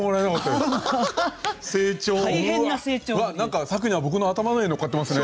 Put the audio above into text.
うわっ何かさくにゃん僕の頭の上に乗っかってますね。